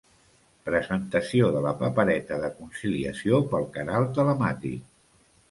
Presentació de la papereta de conciliació pel canal telemàtic.